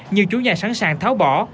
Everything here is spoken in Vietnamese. nhiều chủ nhà sẵn sàng tháo bỏ